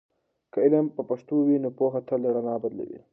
که علم په پښتو وي، نو پوهه تل د رڼا بدلوي.